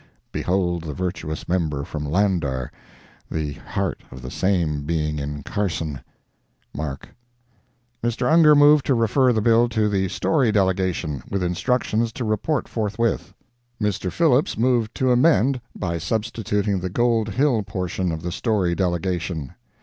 [Behold the virtuous member from Lander—the heart of the same being in Carson.—MARK.] Mr. Ungar moved to refer the bill to the Storey delegation, with instructions to report forthwith. Mr. Phillips moved to amend by substituting the Gold Hill portion of the Storey delegation.